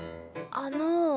あの。